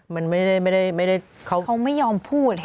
มันไม่ได้เขาไม่ยอมพูด